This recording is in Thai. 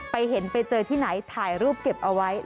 เห็นไปเจอที่ไหนถ่ายรูปเก็บเอาไว้